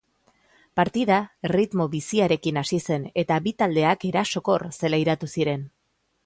Partida erritmo biziarekin hasi zen eta bi taldeak erasokor zelairatu ziren.